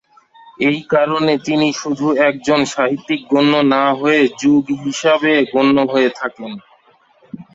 এই কারণে তিনি শুধু একজন সাহিত্যিক গণ্য না হয়ে যুগ-হিসাবে গণ্য হয়ে থাকেন।